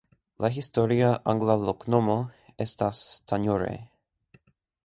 La historia angla loknomo estas "Tanjore".